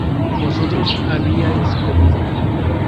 vosotros habíais comido